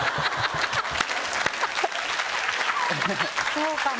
そうかも。